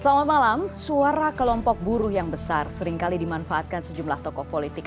selamat malam suara kelompok buruh yang besar seringkali dimanfaatkan sejumlah tokoh politik